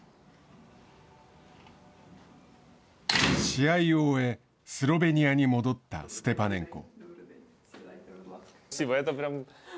試合を終えスロベニアに戻ったステパネンコ。